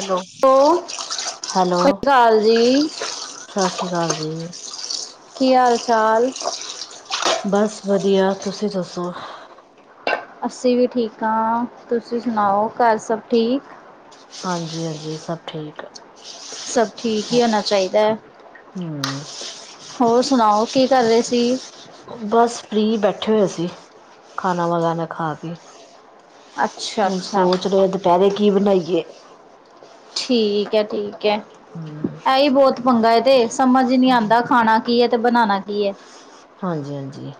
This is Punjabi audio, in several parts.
ਹੈਲੋ ਸਤਿ ਹੈਲੋ, ਸ਼੍ਰੀ ਅਕਾਲ ਜੀ। ਸਤਿ ਸ਼੍ਰੀ ਅਕਾਲ ਜੀ। ਕੀ ਹਾਲ ਚਾਲ? ਬਸ ਵਧੀਆ ਤੁਸੀਂ ਦੱਸੋ? ਅਸੀਂ ਵੀ ਠੀਕ ਹਾਂ, ਤੁਸੀਂ ਸੁਣਾਓ ਘਰ ਸਭ ਠੀਕ? ਹਾਂਜੀ- ਹਾਂਜੀ ਸਭ ਠੀਕ। ਸਭ ਠੀਕ ਹੀ ਹੋਣਾ ਚਾਹੀਦਾ ਹੈ। ਹੂੰ, ਹੋਰ ਸੁਣਾਓ ਕੀ ਕਰ ਰਹੇ ਸੀ। ਬਸ ਫਰੀ ਬੈਠੇ ਹੋਏ ਸੀਂ, ਖਾਣਾ-ਵਾਣਾ ਖਾ ਕੇ। ਅੱਛਾ ਹੁਣ ਅੱਛਾ ਸੋਚ ਰਹੇ ਆ ਦੁਪਹਿਰੇ ਕੀ ਬਣਾਈਏ। ਠੀਕ ਹੈ ਠੀਕ ਹੈ ਹੂੰ, ਐਹੀ ਬਹੁਤ ਪੰਗਾ ਤੇ ਸਮਝ ਹੀ ਨੀ ਹੂੰ ਆਉਂਦਾ ਖਾਣਾ ਕੀ ਹੈ, ਤੇ ਬਣਾਉਣਾ ਕੀ ਏ। ਹਾਂਜੀ- ਹਾਂਜੀ।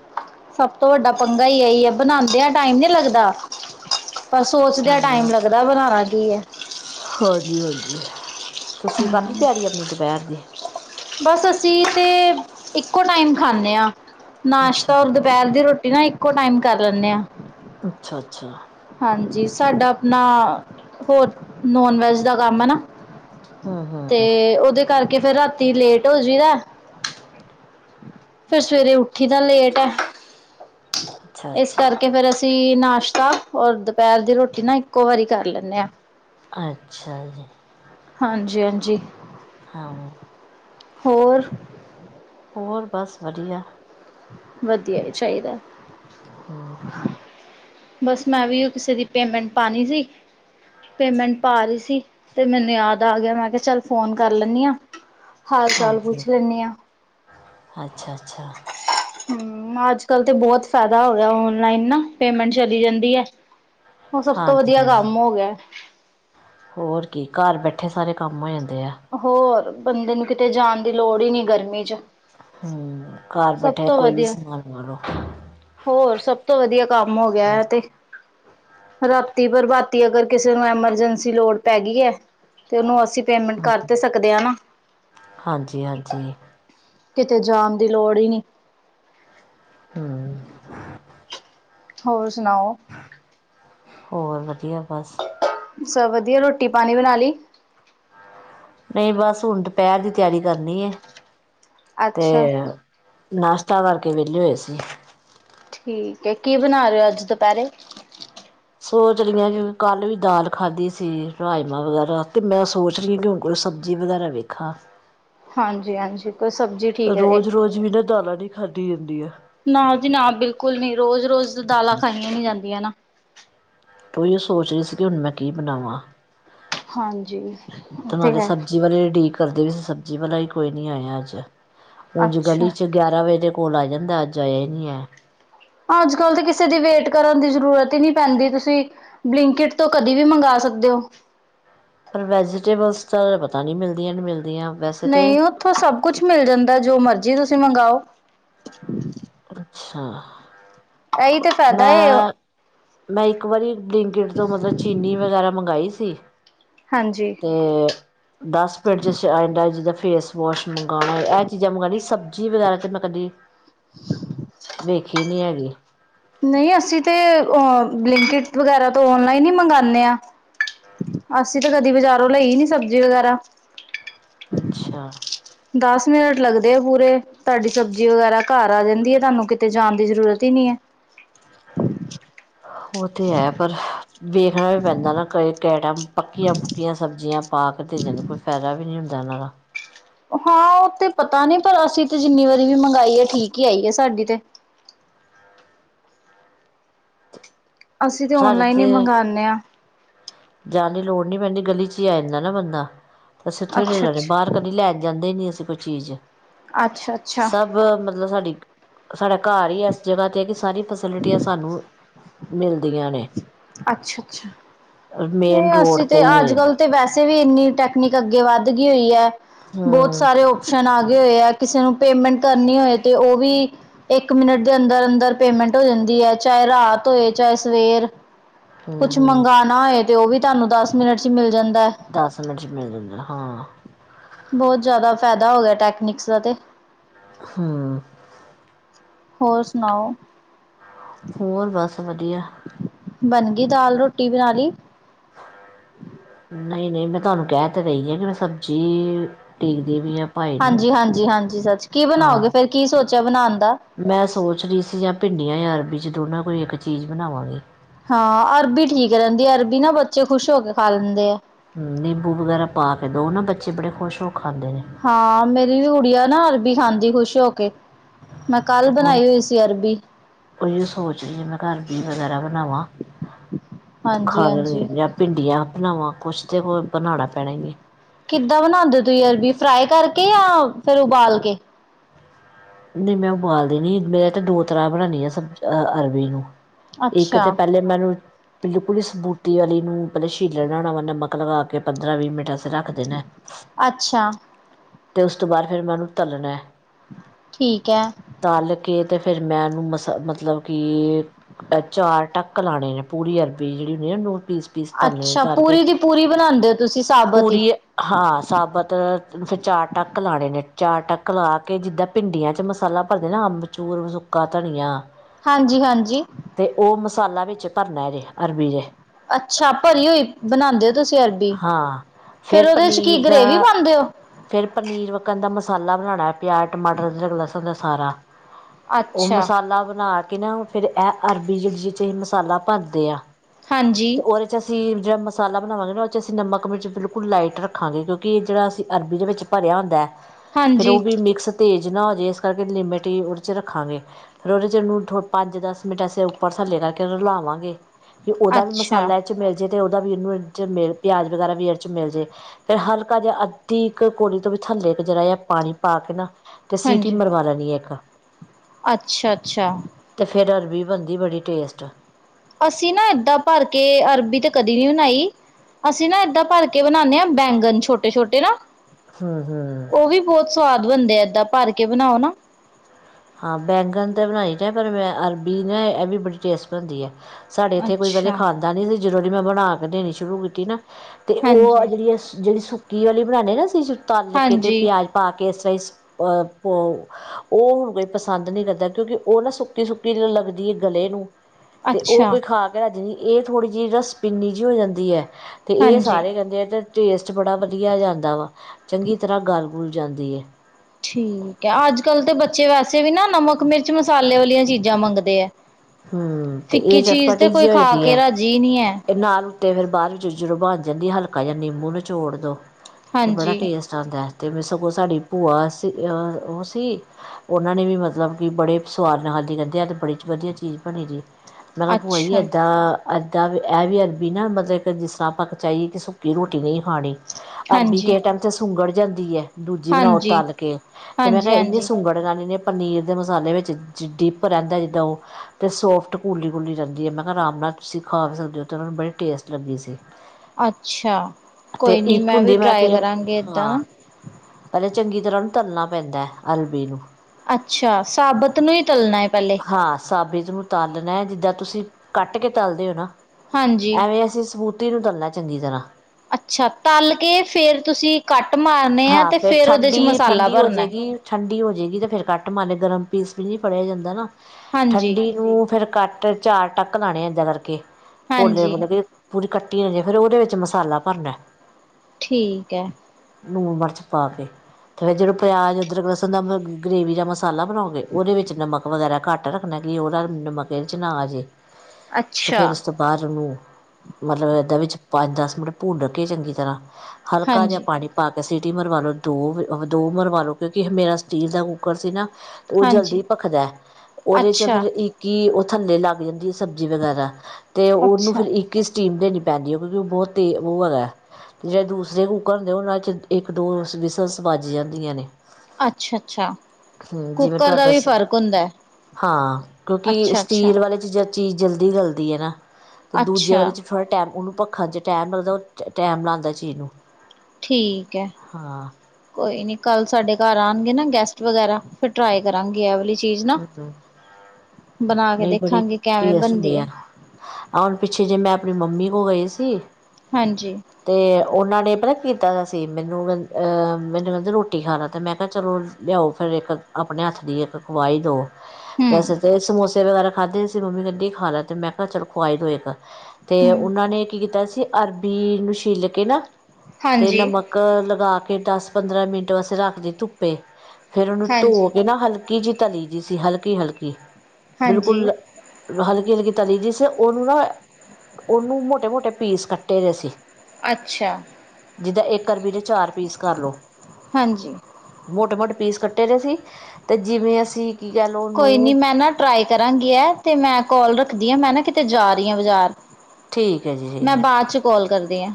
ਸਭ ਤੋਂ ਵੱਡਾ ਪੰਗਾ ਹੀ ਆਹੀ ਹੈ ਬਣਾਉਂਦੇ ਆ ਟਾਈਮ ਨੀ ਲੱਗਦਾ। ਪਰ ਹਾਂ। ਸੋਚਦਿਆਂ ਟਾਈਮ ਲੱਗਦਾ ਬਣਾਉਣਾ ਕੀ ਹੈ। ਹਾਂਜੀ- ਹਾਂਜੀ ਤੁਸੀਂ ਹਮ ਕਰ ਲਈ ਤਿਆਰੀ ਆਪਣੀ ਦੁਪਹਿਰ ਦੀ ਬਸ ਅਸੀਂ ਤੇ ਇੱਕੋ ਟਾਈਮ ਖਾਂਦੇ ਹਾਂ ਅੱਛਾ, ਨਾਸ਼ਤਾ ਉਦੇ ਦੁਪਹਿਰ ਦੀ ਰੋਟੀ ਨਾ ਇੱਕੋ ਟਾਈਮ ਕਰ ਲੈਂਦੇ ਆ। ਅੱਛਾ- ਅੱਛਾ। ਹਾਂਜੀ ਸਾਡਾ ਆਪਣਾ ਹੋਰ ਨੋਨ ਵੈਜ ਦਾ ਕੰਮ ਹੈ ਨਾ। ਹੂੰ ਹੂੰ, ਤੇ ਹੂੰ ਉਹਦੇ ਕਰਕੇ ਫੇਰ ਰਾਤੀ ਲੇਟ ਹੋ ਜਾਈਦਾ। ਫੇਰ ਸਵੇਰੇ ਉੱਠੀ ਤਾਂ ਲੇਟ ਹੈ। ਅੱਛਾ ਇਸ ਅੱਛਾ। ਕਰਕੇ ਫੇਰ ਅਸੀਂ ਨਾਸ਼ਤਾ ਔਰ ਦੁਪਹਿਰ ਦੀ ਰੋਟੀ ਨਾ ਇੱਕੋ ਵਾਰੀ ਕਰ ਲੈਂਦੇ ਆ। ਅੱਛਾ ਜੀ। ਹਾਂਜੀ- ਹਾਂਜੀ। ਹਾਔ। ਹੋਰ। ਹੋਰ ਬਸ ਵਧੀਆ। ਵਧੀਆ ਈ ਚਾਹੀਦਾ। ਹੂੰ ਬਸ ਮੈਂ ਵੀ ਔਹ ਕਿਸੇ ਦੀ ਪੇਮੈਂਟ ਪਾਨੀ ਸੀ। ਪੇਮੈਂਟ ਪਾ ਰਹੀ ਸੀ। ਤੇ ਮੈਨੂੰ ਯਾਦ ਆ ਗਿਆ, ਮੈਂ ਕਿਹਾ ਚੱਲ ਫੋਨ ਕਰ ਲੈੈਂਨੀਆਂ। ਹਾਲ ਚਾਲ ਹਾਂਜੀ ਪੁੱਛ ਲੈਨੀ ਆਂ। ਅੱਛਾ, ਅੱਛਾ। ਹੂੰ ਅੱਜ ਕਲ੍ਹ ਤੇ ਬੋੱਤ ਫੈਦਾ ਹੋ ਗਿਆ। ਔਨਲਾਈਨ ਨਾ ਪੇਮੈਂਟ ਚਲੀ ਜਾਂਦੀ ਐ। ਔਹ ਸਭ ਤੋਂ ਹਾਂਜੀ ਵਧੀਆ ਹਾਂਜੀ ਕੰਮ ਹੋ ਗਿਐ। ਹੋਰ ਕੀ ਘਰ ਬੈਠੇ ਸਾਰੇ ਕੰਮ ਹੋ ਜਾਂਦੇ ਆ। ਹੋਰ ਬੰਦੇ ਨੂੰ ਕਿਤੇ ਜਾਨ ਦੀ ਲੋੜ ਨੀ ਗਰਮੀ 'ਚ ਹੂੰ ਘਰ ਸਭ ਬੈਠੇ ਤੋਂ ਕੋਈ ਵੀ ਵਧੀਆ ਸਮਾਨ ਮੰਗਾਲੋ। ਹੋਰ ਸਭ ਤੋਂ ਵਧੀਆ ਕੰਮ ਹੋ ਗਿਆ ਐ ਤੇ ਰਾਤੀ ਪਰਬਾਤੀ ਅਗਰ ਕਿਸੇ ਨੂੰ ਐਮਰਜੈਂਸੀ ਲੋੜ ਪੈ ਗਈ ਐ। ਤੇ ਉਨੂੰ ਅਸੀਂ ਪੇਮੈਂਟ ਹਮ ਕਰ ਤੇ ਸਕਦੇ ਆ ਨਾ। ਹਾਂਜੀ, ਹਾਂਜੀ। ਕਿਤੇ ਜਾਨ ਦੀ ਲੋੜ ਈ ਨੀ। ਹੈ। ਹੋਰ ਸੁਨਾਔ। ਹੋਰ ਵਧੀਆ ਬਸ ਸਭ ਵਧੀਆ ਰੋਟੀ ਪਾਨੀ ਬਨਾ ਲਈ। ਨਹੀਂ ਬਸ ਹੁਨ ਦੁਪਹਿਰ ਦੀ ਤਿਆਰੀ ਕਰਨੀ ਐ ਤੇ ਅੱਛਾ ਨਾਸ਼ਤਾ ਕਰਕੇ ਵਿਹਲੇ ਹੋਏ ਸੀ। ਠੀਕ ਐ, ਕੀ ਬਨਾਰਹੇ ਹੋ ਅੱਜ ਦੁਪਹਿਰੇ ਸੋਚ ਰਹੀਆਂ ਕਿ ਕੱਲ ਵੀ ਦਾਲ ਖਾਧੀ ਸੀ, ਰਾਜਮਾਂ ਵਗੈਰਾ ਤੇ ਮੈਂ ਸੋਚ ਰਹੀ ਹਾਂ ਕਿ ਹੁਨ ਕੋਈ ਸਬਜ਼ੀ ਵਗੈਰਾ ਵੇਖਾ ਹਾਂਜੀ ਹਾਂਜੀ ਕੋਈ ਸਬਜ਼ੀ ਠੀਕ ਰੋਜ਼ ਰਹੇਗੀ ਰੋਜ਼ ਵੀ ਨਾ ਦਾਲਾਂ ਨੀ ਖਾਧੀ ਜਾਂਦੀਆਂ। ਨਾ ਜੀ ਨਾ ਬਿਲਕੁੱਲ ਨੀ ਰੋਜ਼ ਰੋਜ਼ ਦਾਲਾਂ ਖਾਈਆਂ ਨੀ ਜਾਦੀਆਂ ਨਾ। ਔਹੀ ਸੋਚ ਰਹੀ ਸੀ, ਕਿ ਹੁਨ ਮੈਂ ਕੀ ਬਨਾਵਾਂ। ਹਾਂਜੀ ਉਹ ਤੇ ਨਾਲੇ ਹੈ ਸਬਜ਼ੀ ਵਾਲੇ ਡੀਕ ਘਰਦੇ ਵੀ ਸਬਜ਼ੀ ਵਾਲਾ ਹੀ ਕੋਈ ਨੀ ਆਇਆ ਅੱਜ ਉੰਝ ਅੱਛਾ ਗਲੀ 'ਚ ਗਿਆਰਾਂ ਵਜੇ ਦੇ ਕੋਲ ਆ ਜੈਂਦਾ। ਅੱਜ ਆਇਆ ਹੀ ਨਹੀਂ ਐ। ਅੱਜ ਕੱਲ੍ਹ ਤਾਂ ਕਿਸੇ ਦੀ ਵੇਟ ਕਰਨ ਦੀ ਜ਼ਰੂਰਤ ਨੀ ਪੈਂਦੀ। ਤੁਸੀਂ ਬਲਿੰਕਟ ਤੋਂ ਕਦੀ ਵੀ ਮਂਗਾ ਸਕਦੇ ਔ। ਪਰ ਵੈਜੀਟੇਬਲਸ ਤਾਂ ਪਤਾ ਨਹੀਂ ਮਿਲਦੀਆਂ ਨੀ ਮਿਲਦੀਆਂ। ਵੈਸੇ ਤੇ ਨਹੀਂਔਥੋਂ ਸਭ ਕੁਛ ਮਿਲ ਜੈਂਦਾ ਜੋ ਮਰਜ਼ੀ ਤੁਸੀਂ ਮੰਗਵਾਔ। ਅੱਛਾ। ਐਹੀ ਤੇ ਫਾਇਦਾ ਏ। ਮੈਂ ਮੈਂ ਇੱਕ ਵਾਰੀ ਬਿੰਲੀਕੇਟ ਤੋਂ ਮਤਲਬ ਚੀਨੀ ਵਗੈਰਾ ਮੰਗਾਈ ਸੀ। ਹਂਜੀ। ਆ ਦਸ ਮਿੰਟ ਜ ਆ ਜੈਂਦੈ। ਜਿੱਦਾਂ ਫੇਸ ਵਾਸ਼ ਮੰਗਾਨਾ, ਇਹ ਚੀਜ਼ਾਂ ਮੰਗਾਨੀ ਸਬਜ਼ੀ ਵਗੈਰਾ ਤੇ, ਮੈਂ ਕਦੀ ਹ [inaudible] ਵੇਖੀ ਨੀ ਹੈਗੀ। ਨਹੀਂ ਅਸੀਂ ਤੇ ਬਲਿੰਕਟ ਵਗੈਰਾ ਤੋਂ ਔਨਲਾਈਨ ਈ ਮੰਗਾਣੇ ਆ। ਅਸੀਂ ਤਾਂ ਕਦੀ ਬਜ਼ਾਰੋਂ ਲਈ ਨੀ ਸਬਜ਼ੀ ਵਗੈਰਾ ਅੱਛਾ। ਦਸ ਮਿੰਟ ਲੱਗਦੇ ਆ ਪੂਰੇ ਤੁਹਾਡੀ ਸਬਜ਼ੀ ਵਗੈਰਾ ਘਰ ਆ ਜਾਂਦੀ ਆ, ਤੁਹਾਨੂੰ ਕਿਤੇ ਜਾਣ ਦੀ ਜ਼ਰੂਰਤ ਹੀ ਨੀ ਐ। ਉਹ ਤੇ ਹੈ ਪਰ ਵੇਖਣਾ ਵੀ ਪੈਂਦਾ ਨਾ ਕ ਕਹਿ ਟੈਮ ਪੱਕੀਆਂ- ਪੁੱਕੀਆਂ ਸਬਜ਼ੀਆਂ ਪਾ ਕੇ ਦੇ ਜਾਦੇ, ਕੋਈ ਫਾਇਦਾ ਵੀ ਨੀ ਹੁੰਦਾ ਓਹਨਾਂ ਦਾ ਹਾਂ ਉਹ ਤੇ ਪਤਾ ਨੀ ਪਰ, ਅਸੀਂ ਤੇ ਜਿੰਨੀ ਵਾਰੀ ਵੀ ਮੰਗਾਈ ਐ ਠੀਕ ਹੀ ਆਈ ਐ ਸਾਡੀ ਤੇ ਅਸੀਂ ਤੇ ਸਾਡੇ ਔਨਲਾਈਨ ਈ ਤੇ ਮੰਗਾਨੇ ਆ। ਜਾਣ ਦੀ ਲੋੜ ਨੀ ਪੈਂਦੀ ਗਲੀ ਚ ਹੀ ਆ ਜਾਂਦਾ ਨਾ ਬੰਦਾ, ਅਸੀਂ ਉੱਥੋਂ ਹੀ ਲੈ ਅੱਛਾ ਅੱਛਾ ਲਣੇ ਬਾਹਰ ਕਦੀ ਲੈ ਜਾਂਦੇ ਨੀ ਅਸੀਂ ਕੋਈ ਚੀਜ਼ ਅੱਛਾ ਅੱਛਾ ਸਭ ਮਤਲਬ ਸਾਡੀ ਸਾਡਾ ਘਰ ਈ ਐਸ ਜਗਾ ਤੇ ਐ ਕਿ ਸਾਰੀਆਂ ਫੈਸਿਲਿਟੀਆਂ ਸਾਨੂੰ ਮਿਲਦੀਆਂ ਨੇ ਅੱਛਾ-ਅੱਛਾ ਨਈ ਮੇਨ ਰੋਡ ਅਸੀਂ ਤੇ ਹੀ ਹੋ ਅੱਜ ਕੱਲ ਜਾਂਦਾ ਤੇ ਵੈਸੇ ਵੈਸੇ ਵੀ ਏਨੀ ਟੈਕਨੀਿਕ ਅੱਗੇ ਵੱਧ ਗੀ ਹੋਈ ਐ, ਬਹੁਤ ਹਮ ਸਾਰੇ ਓਪਸ਼ਨ ਆ ਗੇ ਹੋਏ ਆ, ਕਿਸੇ ਨੂੰ ਪੇਮੈਂਟ ਕਰਨੀ ਹੋਏ ਤੇ ਉਹ ਵੀ ਇੱਕ ਮਿੰਟ ਦੇ ਅੰਦਰ- ਅੰਦਰ ਪੇਮੈਂਟ ਹੋ ਜਾਂਦੀ ਐ, ਚਾਹੇ ਰਾਤ ਹੋਏ ਚਾਹੇ ਸਵੇਰ ਹਮ ਕੁਛ ਹਮ ਮੰਗਾਣਾ ਹੋਏ ਤੇ ਓਵੀ ਤੁਹਾਨੂੰ ਦਸ ਮਿੰਟ ਚ ਈ ਮਿਲ ਜਾਂਦਾ ਐ। ਦਸ ਮਿੰਟ ਚ ਮਿਲ ਜਾਂਦੇ, ਹਾਂ। ਬਹੁਤ ਜ਼ਿਆਦਾ ਫਾਇਦਾ ਹੋ ਗਿਆ ਟੈਕਨਿਕਸ ਦਾ ਤੇ ਹੂੰ। ਹੋਰ ਸੁਣਾਓ? ਹੋਰ ਬਸ ਵਧੀਆ। ਬਣ ਗੀ ਦਾਲ਼ ਰੋਟੀ ਬਣਾ ਲੀ? ਨਈ- ਨਈ ਮੈਂ ਤੁਹਾਨੂੰ ਕਹਿ ਤੇ ਰਹੀ ਆ ਕਿ ਮੈਂ ਸਬਜ਼ੀ ਉਡੀਕਦੀ ਪਈ ਆ ਭਾਈ ਨੂੰ ਹਾਂਜੀ- ਹਾਂਜੀ -ਹਾਂਜੀ ਸੱਚ ਕੀ ਹਾਂ ਬਣਾਓਗੇ ਫੇਰ ਕੀ ਸੋਚਿਆ ਬਣਾਣ ਦਾ ਮੈਂ ਸੋਚ ਰਹੀ ਸੀ ਜਾਂ ਭਿੰਡੀਆਂ ਜਾਂ ਅਰਬੀ ਚ ਦੋਨਾਂ ਕੋਈ ਇੱਕ ਚੀਜ਼ ਬਣਾਵਾਂਗੀ। ਹਾਂ ਅਰਬੀ ਠੀਕ ਰਹਿੰਦੀ, ਅਰਬੀ ਨਾ ਬੱਚੇ ਖੁਸ਼ ਹੋ ਕੇ ਖਾ ਲੈਂਦੇ ਆ। ਹੂੰ ਨਿੰਬੂ ਵਗ਼ੈਰਾ ਪਾ ਕੇ ਦੋ ਨਾ, ਬੱਚੇ ਬੜੇ ਖੁਸ਼ ਹੋ ਖਾਂਦੇ ਨੇ। ਹਾਂ ਮੇਰੀ ਵੀ ਗੁਡੀਆ ਨਾ ਅਰਬੀ ਖਾਂਦੀ ਖੁਸ਼ ਹੋ ਕੇ। ਮੈਂ ਕੱਲ ਬਣਾਈ ਹੋਈ ਸੀ ਅਰਬੀ। ਉਈਓ ਸੋਚ ਰਹੀ ਆ, ਮੈਂ ਕਿਆ ਅਰਬੀ ਵਗੈਰਾ ਬਣਾਵਾਂ। ਹਾਂਜੀ ਖਾ ਹਾਂਜੀ ਲੈਣਗੇ ਜਾਂ ਭਿੰਡੀਆਂ ਬਣਾਵਾਂ ਕੁੱਛ ਤੇ ਬਣਾਣਾ ਪੈਣਾ ਈ ਏ। ਕਿੱਦਾਂ ਬਣਾਉਂਦੇ ਤੁਹੀਂ ਅਰਬੀ ਫਰਾਈ ਕਰਕੇ ਜਾਂ ਫਿਰ ਉਬਾਲ ਕੇ ਨਹੀਂ ਮੈਂ ਉਬਾਲ ਦੇਣੀ, ਮੈਂ ਤੇ ਦੋ ਤਰ੍ਹਾਂ ਬਣਾਣੀ ਆ ਸਬ ਅਹ ਅਰਬੀ ਨੂੰ ਇੱਕ ਤੇ ਅੱਛਾ ਪਹਿਲੇ ਮੈਨੂੰ ਬਿਲਕੁਲ ਈ ਸਬੂਤੀ ਵਾਲੀ ਨੂੰ ਪਹਿਲੇ ਛੀਲ ਲੈਣਾ ਵਾ ਨਮਕ ਲਗਾ ਕੇ ਪੰਦਰਾਂ ਵੀਹ ਮਿੰਟ ਬਸ ਰੱਖ ਦੇਣਾ ਐ, ਅੱਛਾ ਤੇ ਉਸ ਤੋਂ ਬਾਅਦ ਫੇਰ ਮੈਂ ਉਹਨੂੰ ਤਲਣਾ ਐ ਠੀਕ ਐ‌। ਤਲਕੇ ਤੇ ਫਿਰ ਮੈਂ ਉਹਨੂੰ ਮਸ ਮਤਲਬ ਕਿ ਅਹ ਚਾਰ ਢੱਕ ਲਾਣੇ ਨੇ ਪੂਰੀ ਅਰਬੀ ਜਿਹੜੀ ਹੁੰਦੀ ਨੂੰ ਪੀਸ ਪੀਸ ਕਰਨੇ ਅੱਛਾ ਕਰ ਕੇ ਪੂਰੀ ਦੀ ਪੂਰੀ ਬਣਾਉਂਦੇ ਹੋ ਤੁਸੀਂ ਸਾਬਤ ਹੀ ਪੂਰੀ ਹਾਂ ਸਾਬਤ ਫਿਰ ਚਾਰ ਟੱਕ ਲਾਣੇ ਨੇ ਚਾਰ ਟੱਕ ਲਾ ਕੇ ਜਿੱਦਾਂ ਭਿੰਡੀਆਂ ਚ ਮਸਾਲਾ ਭਰਦੇ ਨਾ ਅੰਬਚੂਰ ਸੁੱਕਾ ਧਨੀਆ ਹਾਂਜੀ-ਹਾਂਜੀ। ਤੇ ਓ ਮਸਾਲਾ ਵਿੱਚ ਭਰਨਾ ਏਦੇ ਅਰਬੀ ਦੇ ਅੱਛਾ ਭਰੀ ਹੋਈ ਬਨਾਂਦੇ ਓ ਤੁਸੀਂ ਅਰਬੀ ਹਾਂ ਫੇਰ ਉਹਦੇ ਚ ਕੀ ਗਰੇਵੀ ਪਾਂਦੇ ਓ। ਫੇਰ ਪਨੀਰ ਵੱਕਨ ਦਾ ਮਸਾਲਾ ਬਨਾਣਾ ਪਿਆਜ਼ ਟਮਾਟਰ ਅਦਰਕ ਲਸਣ ਦਾ ਸਾਰਾ ਉਹ ਅੱਛਾ ਮਸਾਲਾ ਬਨਾ ਕੇ ਨਾ ਫੇਰ ਇਹ ਅਰਬੀ ਜ ਜੀ ਚ ਇਹ ਮਸਾਲਾ ਭਰਦੇ ਆ। ਹਾਂਜੀ ਤੇ ਉਹਦੇ ਅਸੀਂ ਜਿਹੜਾ ਮਸਾਲਾ ਬਨਾਵਾਂਗੇ ਨਾ ਉਹ 'ਚ ਅਸੀਂ ਨਮਕ ਮਿਰਚ ਬਿਲਕੁਲ ਲਾਈਟ ਰੱਖਾਂਗੇ ਕਿਉਂਕਿ ਜਿਹੜਾ ਅਸੀਂ ਅਰਬੀ ਦੇ ਵਿੱਚ ਭਰਿਆ ਹੁੰਦਾ ਫੇਰ ਹਾਂਜੀ ਉਹ ਵੀ ਮਿਕਸ ਤੇਜ਼ ਨਾ ਹੋ ਜੇ ਇਸ ਕਰਕੇ ਲਿਮਿਟ ਹੀ ਉਹਦੇ ਚ ਰੱਖਾਂਗੇ। ਫੇਰ ਉਹਦੇ 'ਚ ਉਹਨੂੰ ਥੋਰ ਪੰਜ ਦਸ ਮਿੰਟ ਆਸਤੇ ਉੱਪਰ ਥੱਲੇ ਕਰਕੇ ਰਲਾ ਲਾਂਗੇ। ਕਿ ਉਹਦਾ ਵੀ ਅੱਛਾ ਮਸਾਲਾ ਇਹ ਚ ਮਿਲ ਜੇ ਤੇ ਉਹਦਾ ਵੀ ਇਹਨੂੰ ਇਹ ਮਿਲ ਪਿਆਜ ਵਗੈਰਾ ਵੀ ਇਹਦੇ ਚ ਮਿਲ ਜੇ। ਫੇਰ ਹਲਕਾ ਜਿਹਾ ਅੱਧੀ ਕ ਕੋਲੀ ਤੋਂ ਵੀ ਥੱਲੇ ਇੱਕ ਜਰਾ ਜਿਹਾ ਪਾਣੀ ਪਾ ਕੇ ਨਾ ਤੇ ਸਿਟੀ ਮਰਵਾ ਲੈਨੀ ਇੱਕ ਅੱਛਾ-ਅੱਛਾ ਤੇ ਫੇਰ ਅਰਬੀ ਬਨਦੀ ਬੜੀ ਟੇਸਟ। ਅਸੀ ਨਾ ਏਦਾਂ ਭਰ ਕੇ ਅਰਬੀ ਤੇ ਕਦੀ ਨੀ ਬਨਾਈ। ਅਸੀ ਨਾ ਏਦਾਂ ਭਰ ਕੇ ਬਨਾਨੇ ਆ ਬੈਂਗਨ ਛੋਟੇ-ਛੋਟੇ ਨਾ। ਹਾਂ- ਹਾਂ ਬੋਤ ਸਵਾਦ ਬਨਦੇ ਐ ਏਦਾਂ ਭਰ ਕੇ ਬਨਾਓ ਨਾ। ਹਾਂ ਬੈਗਨ ਤਾਂ ਬਣਾਈ ਦੇ ਏ ਪਰ ਅਰਬੀ ਨਾ ਇਹ ਵੀ ਬੜੀ ਟੇਸਟ ਬਨਦੀ ਹੈ। ਸਾਡੇ ਇੱਥੇ ਕੋਈ ਪਹਿਲੇ ਅੱਛਾ ਖਾਂਦਾ ਨੀ ਸੀ ਜਦੋ ਦੀ ਮੈਂ ਬਨਾ ਕੇ ਦੇਨੀ ਸ਼ੁਰੂ ਕੀਤੀ ਨਾ, ਤੇ ਉਹ ਹਾਂਜੀ, ਜਿਹੜੀ ਅ ਜਿਹੜੀ ਸੁੱਕੀ ਆਲੀ ਬਣਾਨੇ ਨਾ ਤਲ ਕੇ ਤੇ ਹਾਂਜੀ ਪਿਆਜ਼ ਪਾ ਕੇ ਸਹੀ ਸ ਇਸ ਤਰ੍ਹਾਂ ਹੀ [unintelligible] ਅਹ ਉਹ ਹੁਣ ਕੇ। [unintelligible] ਪਸੰਦ ਨੀ ਕਰਦਾ ਕਿਉਂਕਿ ਉਹ ਨਾ ਸੁੱਕੀ -ਸੁੱਕੀ ਲੱਗਦੀ ਏ ਗਲੇ ਨੂੰ ਤੇ ਉਹ ਅੱਛਾ ਕੋਈ ਖਾ ਕੇ ਰਾਜ [unintelligible] ਇਹ ਥੋੜ੍ਹੀ ਜਿਹੀ ਰਸਪਿੰਨੀ ਜੀ ਹੋ ਜਾਂਦੀ ਆ ਤੇ, ਇਹ ਹਾਂਜੀ। ਸਾਰੇ ਕਹਿੰਦੇ ਆ। [unintelligible] ਟੇਸਟ ਬੜਾ ਵਧੀਆ ਜਾਂਦਾ ਵਾ ਚੰਗੀ ਤਰ੍ਹਾਂ ਗਲ -ਗੁਲ ਜਾਂਦੀ ਏ। ਠੀਕ ਐ ਅੱਜ ਕੱਲ੍ਹ ਤੇ ਬੱਚੇ ਵੈਸੇ ਵੀ ਨਾ ਨਮਕ ਮਿਰਚ ਮਸਾਲੇ ਵਾਲੀਆ ਚੀਜ਼ਾਂ ਮੰਗਦੇ ਐ। ਹੁ ਤੇ ਫਿੱਕੀ ਇਹ ਚੀਜ਼ ਚਟਪਟੀ ਤੇ ਕੋਈ ਜਿਹੀ ਹੋ ਖਾ ਜਾਂਦੀ ਕੇ ਐ ਰਾਜੀ ਨੀ ਐ ਤੇ ਨਾਲ। ਤੇ ਫੇਰ ਬਾਅਦ ਵਿੱਚੋਂ ਜਦੋਂ ਬਨ ਜਾਂਦੀ ਆ ਹਲਕਾ ਜਿਹਾ ਨਿੰਬੂ ਨਿਚੋੜ ਦੋ ਤੇ ਬੜਾ ਹਾਂਜੀ ਟੇਸਟ। ਸਾਨ ਦੱਸਦੇ ਵੀ ਸਗੋਂ ਸਾਡੀ ਭੂਆ ਸੀ ਅਹ ਉਹ ਸੀ। ਉਹਨਾਂ ਨੇ ਵੀ ਮਤਲਬ ਕਿ ਬੜੇ ਸਵਾਦ ਨਾਲ ਖਾਦੀ ਕਹਿੰਦੇ ਇਹ ਤੇ ਬੜੀ 'ਚ ਵਧੀਆ ਚੀ ਚੀਜ਼ ਬਣੀ ਦੀ ਮੈਂ ਕਿਹਾ ਭੂਆ ਜੀ ਅੱਛਾ। ਏਦਾਂ। ਐਦਾਂ ਵੀ ਇਹ ਵੀ ਅਰਬੀ ਨਾ ਮਤਲਬ ਕਿ ਜਿਸ ਤਰ੍ਹਾਂ ਆਪਾ ਚਾਹੀਏ ਕਿ ਸੁੱਕੀ ਰੋਟੀ ਨਹੀ ਖਾਣੀ। ਅਰਬੀ ਹਾਂਜੀ, ਕਿਹੇ ਟਾਈਮ ਤੇ ਸੁੰਗੜ ਜਾਂਦੀ ਏ, ਦੂਜੀ ਬਨਾਓ ਹਾਂਜੀ, ਤਲ ਕੇ ਤੇ ਮੈਂ ਕਿਹਾ ਇਹ ਨੀ ਹਾਂਜੀ-ਹਾਂਜੀ ਸੁੰਗੜ। ਬਿਰਾਨੀ ਨੇ ਪਨੀਰ ਦੇ ਮਸਾਲੇ ਵਿੱਚ ਡਿੱਪ ਰਹਿੰਦਾ ਜਿੱਦਾਂ ਉਹ। ਤੇ ਸੋਫਟ ਕੂਲੀ ਕੂਲੀ ਰਹਿੰਦੀ ਏ ਮੈਂ ਕਿਹਾ ਰਾਮ ਨਾਲ ਤੁਸੀਂ ਖਾ ਵੀ ਸਕਦੇ ਹੋ ਤੇ ਉਨ੍ਹਾਂ ਨੂੰ ਬੜੀ ਟੇਸਟ ਲੱਗੀ ਸੀ। ਅੱਛਾ ਤੇ ਕੋਈ ਨੀ ਇੱਕ ਮੈਂ ਵੀ ਹੁੰਦੀ ਟਰਾਈ ਕਿਹਾ ਕਰਾਂਗੀ ਏਦਾਂ ਹਾਂ ਨਾ। ਪਹਿਲੇ ਚੰਗੀ ਤਰ੍ਹਾ ਉਹਨੂੰ ਤਲਨਾ ਪੈਂਦਾ ਅਰਬੀ ਨੂੰ। ਅੱਛਾ ਸਾਬਤ ਨੂੰ ਹੀ ਤਲਨਾ ਪਹਿਲ। ਹਾਂ ਸਾਬਿਤ ਨੂੰ ਤਾਲਨਾ ਏ ਜਿੱਦਾਂ ਤੁਸੀਂ ਕੱਟ ਕੇ ਤਲਦੇ ਹੋ ਨਾ। ਹਾਂਜੀ ਐਵੇ ਅਸੀ ਸਬੂਤੀ ਨੂੰ ਤਲਨਾ ਚੰਗੀ ਤਰ੍ਹਾਂ। ਅੱਛਾ ਤਲ ਕੇ ਫੇਰ ਤੁਸੀ ਕੱਟ ਮਾਰਨੇ ਏ ਹਾਂ ਤੇ ਫੇਰ ਉਹਦੇ 'ਚ ਠੰਡੀ ਮਸਾਲਾ ਠੰਡੀ ਹੋ ਭਰਨਾ। ਜਾਏਗੀ ਠੰਡੀ ਹੋ ਜੇਗੀ ਤੇ ਫੇਰ ਕੱਟ ਮਾਰਨੇ ਗਰਮ ਪੀਸ ਵੀ ਨੀ ਫੜਿਆ ਜਾਂਦਾ ਨਾ ਹਾਂਜੀ ਠੰਡੀ ਨੂੰ ਫੇਰ ਕੱਟ। ਫੇਰ ਚਾਰ ਟੱਕ ਲਾਣੇ ਏਦਾਂ ਕਰਕੇ ਪੋਲ ਹਾਂਜੀ ਪੋਲੇ ਕਿ ਪੂਰੀ ਕੱਟੀ ਏ ਅਜੇ ਫੇਰ ਉਹਦੇ ਵਿੱਚ ਮਸਾਲਾ ਭਰਨਾ। ਠੀਕ ਐ, ਲੂਨ ਮਰਚ ਪਾ ਕੇ ਤੇ ਫੇਰ ਜਦੋਂ ਪਿਆਜ, ਅਦਰਕ, ਲਸਨ ਦਾ ਗ੍ਰੇਵੀ ਦਾ ਮਸਾ, ਮਸਾਲਾ ਬਨਾਉਗੇ ਉਹਦੇ ਵਿੱਚ ਨਮਕ ਵਗੈਰਾ ਘੱਟ ਰੱਖਨਾ ਕਿ ਉਹਦਾ ਨਮਕ ਇਹਦੇ ਚ' ਨਾ ਆ ਜੇ। [unintelligible] ਤੇ ਅੱਛਾ ਫੇਰ ਉਸ ਤੋ। ਬਾਅਦ ਨੂੰ, [unintelligible] ਮਤਲਬ ਇਹਦੇ ਵਿੱਚ ਪੰਜ ਦਸ ਮਿੰਟ ਭੁੰਨ ਕੇ ਚੰਗੀ ਤਰ੍ਹਾਂ। ਹਲਕਾ ਜਿਆ ਹਾਂਜੀ ਪਾਣੀ। ਪਾ ਕੇ ਸਿਟੀ ਮਰਵਾ ਲੋ, ਦੋ -ਦੋ ਮਰਵਾ ਲੋ ਕਿਉਂਕਿ ਮੇਰਾ ਸਟੀਲ ਦਾ ਕੁੱਕਰ ਸੀ ਨਾ। ਉਹ ਹਾਂਜੀ ਜਲਦੀ ਭਖਦਾ, ਉਹਦੇ ਚ' ਅੱਛਾ ਫਿਰ ਇੱਕ। ਕਿ ਉਹ ਥੱਲੇ ਲੱਗ ਜਾਂਦੀ ਆ ਸਬਜ਼ੀ ਵਗੈਰਾ ਤੇ, ਉਹਨੂੰ ਅੱਛਾ ਫਿਰ ਇੱਕ। ਕਿ ਸਟੀਮ ਦੇਣੀ ਪੈਂਦੀ ਆ ਕਿਉਂਕਿ, ਉਹ ਬਹੁਤ ਤੇ ਉਹ ਹੈਗਾ ਤੇ, ਜਿਹੜੇ ਦੂਸਰੇ ਕੁੱਕਰ ਨੇ ਉਹਨਾਂ। ਜਦ ਇੱਕ- ਦੋ ਵਿੱਸਲਸ ਵੱਜ ਜਾਂਦੀਆਂ ਨੇ, ਅੱਛਾ -ਅੱਛਾ ਹਮ ਜਿਵੇਂ ਕੁੱਕਰ ਦਾ ਤੁਹਾਡਾ ਵੀ ਸੀ। [unintelligible] ਫ਼ਰਕ ਹੁੰਦਾ ਹਾਂ ਕਿਉਂਕਿ ਅੱਛਾ ਅੱਛਾ ਸਟੀਲ ਵਾਲੇ ਚ ਜਾਂ ਚੀਜ਼ ਜਲਦੀ ਗਲਦੀ ਹੈ ਨਾ ਤੇ ਦੂਜੇ ਵਾਲੇ ਅੱਛਾ 'ਚ ਥੋੜ੍ਹਾ ਟੈਮ, ਉਹਨੂੰ ਭਖਣ 'ਚ ਟੈਮ ਲੱਗਦਾ ਉਹ ਟੈਮ ਲਾਂਦਾ ਚੀਜ਼ ਨੂੰ। ਠੀਕ ਐ। ਹਾਂ। ਕੋਈ ਨੀ ਕੱਲ ਸਾਡੇ ਘਰ ਆਣਗੇ ਨਾ ਗੈਸਟ ਵਗੈਰਾ ਫਿਰ ਟਰਾਈ ਕਰਾਂਗੇ ਐ ਵਾਲੀ ਚੀਜ਼ ਨਾ ਹਮ ਬਣਾ ਕੇ ਨਹੀਂ ਬੜੀ ਦੇਖਾਂਗੇ ਕਿਵੇਂ ਟੇਸਟ ਬਣਦੀ ਹੁੰਦੇ ਹੈ ਆ, ਆ ਹੁਣ ਪਿੱਛੇ ਜੇ ਮੈਂ ਆਪਣੀ ਮੰਮੀ ਕੋਲ ਗਈ ਸੀ। ਹਾਂਜੀ। ਤੇ ਉਹਨਾਂ ਨੇ ਪਤਾ ਕੀਤਾ ਸੀ ਮੈਨੂੰ ਕਹਿੰ ਐ ਮੈਨੂੰ ਕਹਿੰਦੇ ਰੋਟੀ ਖਾ ਲੈ ਅਤੇ ਮੈਂ ਕਿਹਾ ਚਲੋ। ਲਿਆਓ ਫਿਰ ਇੱਕ ਆਪਣੇ ਹੱਥ ਦੀ ਇੱਕ ਖਵਾਹੀ ਦਿਓ ਵੈਸੇ ਹੂੰ ਤਾਂ ਸਮੋਸੇ ਵਗੈਰਾ ਖਾਧੇ ਸੀ। ਮੰਮੀ ਕਹਿੰਦੀ ਖਾ ਲਾ ਤੇ ਮੈਂ ਕਿਹਾ ਚਲੋ ਖੁਵਾਈ ਦੋ ਇੱਕ ਤੇ ਹੂੰ, ਉਹਨਾਂ ਨੇ ਕੀ ਕੀਤਾ ਸੀ। ਅਰਬੀ ਨੂੰ ਛਿਲ ਕੇ ਨਾ ਤੇ ਹਾਂਜੀ, ਨਮਕ ਨਮਕ ਲਗਾ ਕੇ ਦਸ ਪੰਦਰਾਂ ਮਿੰਟ ਵਾਸਤੇ ਰੱਖਦੀ ਧੁੱਪੇ ਫੇਰ ਉਹਨੂੰ ਧੋ ਹਾਂਜੀ, ਕੇ ਨਾ ਹਲਕਾ ਹਲਕੀ ਜਿਹੀ ਤਲੀ ਜੀ ਸੀ ਹਲਕੀ ਹਲਕੀ ਹਾਂਜੀ, ਬਿਲਕੁਲ। ਹਲਕੀ ਹਲਕੀ ਤਲੀ ਦੀ ਸੀ ਉਹਨੂੰ ਨਾ ਉਹਨੂੰ ਮੋਟੇ ਮੋਟੇ ਪੀਸ ਕੱਟੇ ਦੇ ਸੀ। ਅੱਛਾ। ਜਿਦਾਂ ਇੱਕ ਅਰਬੀ ਦੇ ਚਾਰ ਪੀਸ ਕਰ ਲਉ। ਹਾਂਜੀ। ਮੋਟੇ ਮੋਟੇ ਪੀਸ ਕੱਟੇ ਦੇ ਸੀ ਤੇ ਜਿਵੇਂ ਅਸੀਂ ਕੀ ਕਹਿ ਲਓ ਕੋਈ ਨਹੀਂ ਉਹਨੂੰ ਮੈਂ ਨਾ ਟਰਾਈ ਕਰਾਂਗੀ ਐ ਤੇ ਮੈਂ ਕੋਲ ਰੱਖਦੀ ਹਾਂ ਮੈਂ ਨਾ ਕਿਤੇ ਜਾ ਰਹੀ ਹਾਂ ਬਾਜ਼ਾਰ ਠੀਕ ਹੈ ਜੀ ਠੀਕ ਮੈਂ ਹੈ ਬਾਅਦ ਚ ਕੋਲ ਕਰਦੀ ਹਾਂ।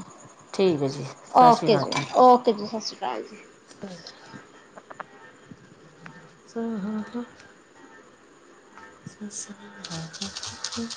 ਠੀਕ ਹੈ ਜੀ ਸਤਿ ਸ਼੍ਰੀ ਓਕੇ ਅਕਾਲ ਜੀ, ਓਕੇ ਜੀ, ਸਤਿ ਸ਼੍ਰੀ ਅਕਾਲ ਜੀ। [unintelligible] ਸ ਹ ਹ। ਸ ਹ ਸ।